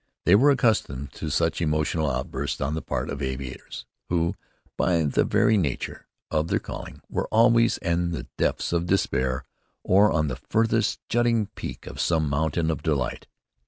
They were accustomed to such emotional outbursts on the part of aviators who, by the very nature of their calling, were always in the depths of despair or on the farthest jutting peak of some mountain of delight.